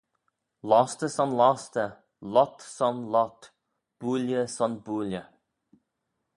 Lostey son lostey, lhott, son lhott, builley son builley.